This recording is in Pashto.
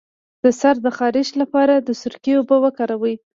د سر د خارښ لپاره د سرکې اوبه وکاروئ